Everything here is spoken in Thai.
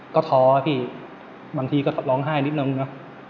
ก็ท้อพี่บางทีก็ร้องไห้นิดนึงเนอะ